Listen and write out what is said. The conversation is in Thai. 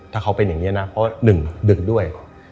ถ้าเขาเป็นแบบนี้นะเพราะว่า๑ดึกด้วย